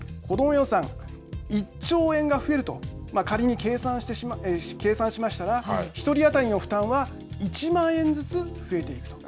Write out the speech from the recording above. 予算１兆円が増えると仮に計算しましたら１人当たりの負担は１万円ずつ増えていると。